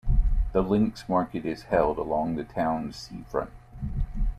The Links Market is held along the town's seafront.